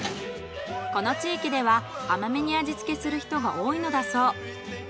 この地域では甘めに味付けする人が多いのだそう。